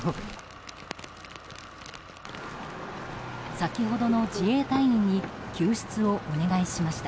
先ほどの自衛隊員に救出をお願いしました。